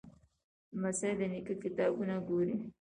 لمسی د نیکه کتابونه ګوري.